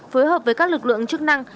phối hợp với các lực lượng chức năng